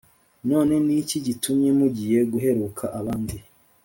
None ni iki gitumye mugiye guheruka abandi